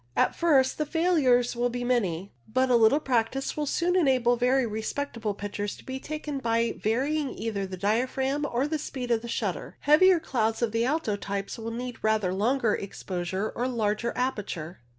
At first the failures will be many, but a little practice will soon enable very respectable pictures to be taken by varying either the diaphragm or the speed of shutter. Heavier clouds of the alto types will need rather longer exposure or larger aperture.